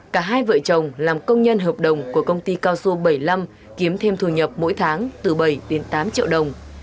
cả hai vợ chồng làm công nhân hợp đồng của công ty cao su bảy mươi năm kiếm thêm thu nhập mỗi tháng từ bảy đến tám triệu đồng